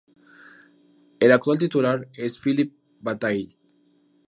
El actual titular es Philippe Bataille.